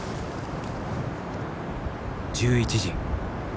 １１時。